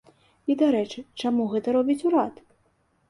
І, дарэчы, чаму гэта робіць урад?